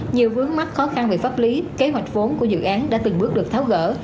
nhiều vướng mắc khó khăn về pháp lý kế hoạch vốn của dự án đã từng bước được tháo gỡ